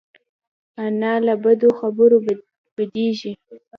انا له بدو خبرو بدېږي